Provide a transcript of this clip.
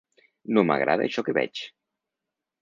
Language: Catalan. No m’agrada això que veig.